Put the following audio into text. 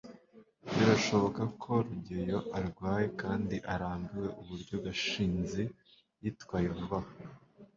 birashoboka ko rugeyo arwaye kandi arambiwe uburyo gashinzi yitwaye vuba aha